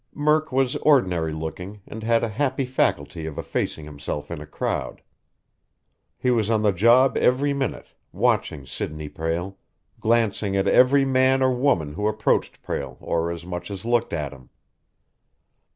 Murk was ordinary looking and had a happy faculty of effacing himself in a crowd. He was on the job every minute, watching Sidney Prale, glancing at every man or woman who approached Prale or as much as looked at him.